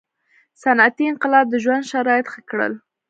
• صنعتي انقلاب د ژوند شرایط ښه کړل.